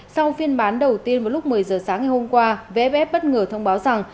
sau phiên bán đầu tiên vào lúc một mươi giờ sáng ngày hôm qua vff bất ngờ thông báo rằng